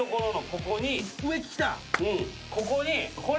ここに。